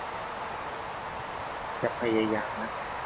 จะพยายามนะ